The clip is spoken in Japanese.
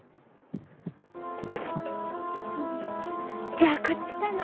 「じゃあこっちかな？